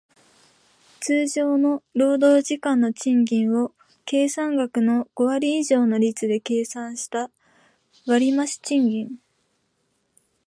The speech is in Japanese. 通常の労働時間の賃金の計算額の五割以上の率で計算した割増賃金